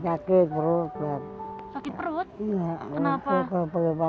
sakit perut perut kenapa